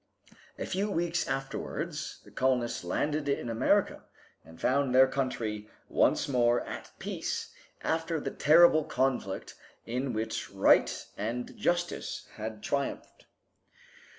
A few weeks afterwards the colonists landed in America, and found their country once more at peace after the terrible conflict in which right and justice had triumphed.